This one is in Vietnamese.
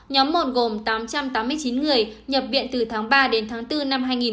nhóm một gồm tám trăm tám mươi chín người nhập viện từ tháng ba đến tháng bốn năm hai nghìn một mươi chín